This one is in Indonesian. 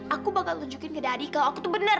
aku bakal tunjukin ke dadi kalau aku tuh bener